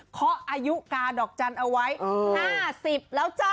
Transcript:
เคาะอายุกาดอกจันทร์เอาไว้๕๐แล้วจ้า